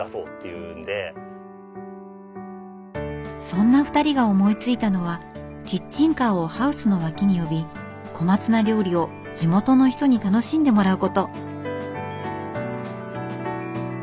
そんな２人が思いついたのはキッチンカーをハウスの脇に呼び小松菜料理を地元の人に楽しんでもらうこと。